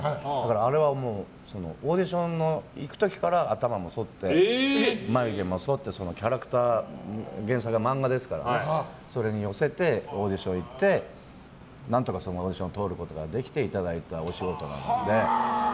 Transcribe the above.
あれはオーディションに行く時から頭もそって、眉毛もそってそのキャラクター原作は漫画ですからそれに寄せてオーディションに行って何とかオーディション通ることができていただいたお仕事なので。